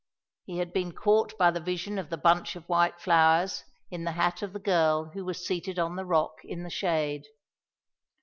He had been caught by the vision of the bunch of white flowers in the hat of the girl who was seated on the rock in the shade.